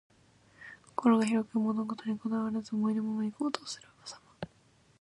心が広く、物事にこだわらず、思いのままに行動するさま。